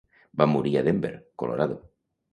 Va morir a Denver (Colorado).